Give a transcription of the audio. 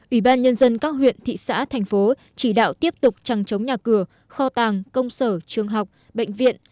ubnd các huyện thị xã thành phố chỉ đạo tiếp tục trăng trống nhà cửa kho tàng công sở trường học bệnh viện